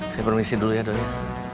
saya permisi dulu ya doi ya